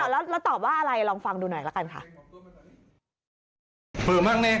แล้วเราตอบว่าอะไรลองฟังดูหน่อยละกันค่ะ